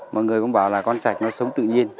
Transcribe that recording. mọi người cũng bảo là con chạch nó sống tự nhiên